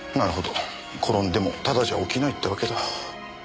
転んでもただじゃ起きないってわけだ。